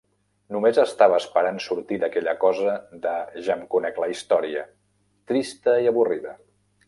Només estava esperant sortir d'aquella cosa de "ja em conec la història", trista i avorrida.